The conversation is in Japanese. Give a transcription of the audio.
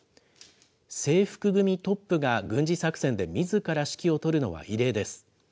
制服組トップが軍事作戦でみずから指揮を執るのは異例です。